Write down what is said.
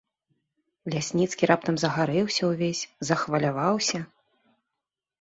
Лясніцкі раптам загарэўся ўвесь, захваляваўся.